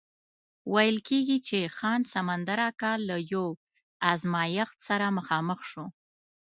ویل کېږي چې خان سمندر اکا له یو ازمایښت سره مخامخ شو.